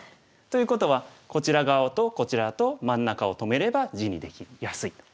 ということはこちら側とこちらと真ん中を止めれば地にできやすいと。